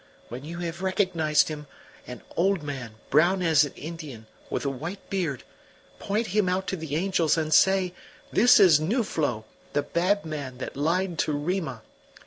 When you have recognized him an old man, brown as an Indian, with a white beard point him out to the angels, and say: 'This is Nuflo, the bad man that lied to Rima.